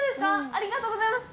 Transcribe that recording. ありがとうございます。